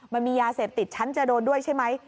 มันมียาเสพติดฉันจะโดนด้วยใช่ไหม